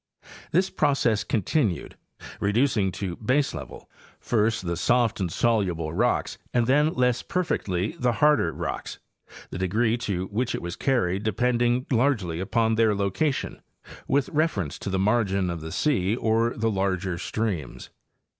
This process continued, reducing to baselevel first the soft and soluble 70. Hayes and Campheli—Appalachian Geomorphology. rocks, and then, less perfectly, the harder rocks; the degree to which it was carried depending largely upon their location with reference to the margin of the sea or the larger streams.